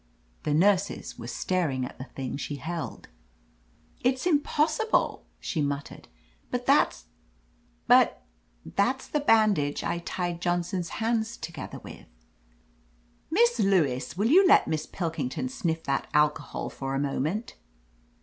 ^The nurses were staring at the thing she held. " 'It'6 impossible/ she muttered, 'but — that's the bandage I tied Johnson's hands together with!' Miss Lewis, will you let Miss Pilking ton sniff that alcohol for a moment